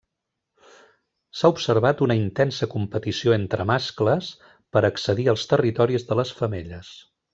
S'ha observat una intensa competició entre mascles per accedir als territoris de les femelles.